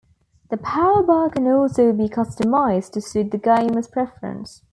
The power bar can also be customised to suit the gamer's preference.